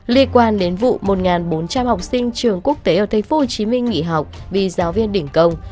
liên quan đến vụ một bốn trăm linh học sinh trường quốc tế ở tây phú hồ chí minh nghỉ học vì giáo viên đỉnh công